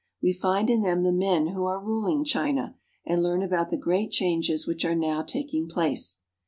We find in them the men who are ruling China, and learn about the great changes which are now taking place.